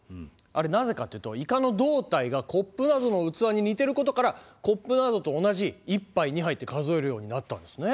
あれなぜかっていうとイカの胴体がコップなどの器に似てることからコップなどと同じ１杯２杯って数えるようになったんですね。